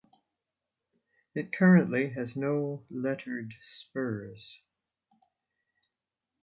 It currently has no lettered spurs.